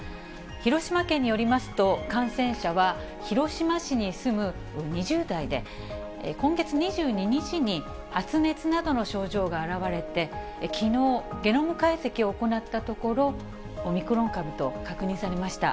広島県によりますと、感染者は広島市に住む２０代で、今月２２日に発熱などの症状が現れて、きのう、ゲノム解析を行ったところ、オミクロン株と確認されました。